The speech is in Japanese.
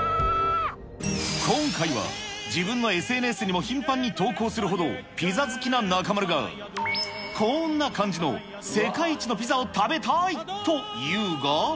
今回は、自分のＳＮＳにも頻繁に投稿するほど、ピザ好きな中丸が、こんな感じの世界一のピザを食べたいというが。